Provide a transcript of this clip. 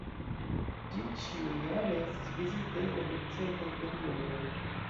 Ĝi ĉiujare estas vizitebla dum certaj periodoj.